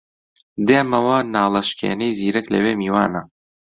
دێمەوە ناڵەشکێنەی زیرەک لەوێ میوانە